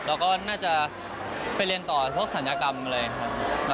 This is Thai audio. เราก็น่าจะไปเรียนต่อพวกศัลยกรรมเลยครับ